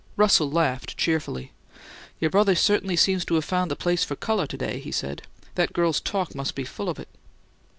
Russell laughed cheerfully. "Your brother certainly seems to have found the place for 'colour' today," he said. "That girl's talk must be full of it."